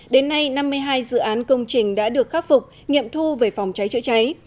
đến nay năm mươi hai dự án công trình đã được khắc phục nghiệm thu về phòng cháy chữa cháy